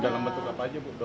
dalam bentuk apa aja bu